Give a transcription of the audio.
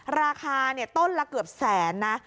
ราคาต้นละเกือบแสนนะ